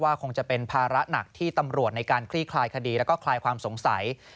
คงจะเป็นภาระหนักที่ตำรวจในการคลี่คลายคดีแล้วก็คลายความสงสัย